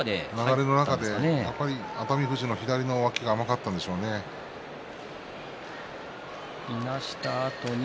熱海富士の左の脇がいなしたあとに。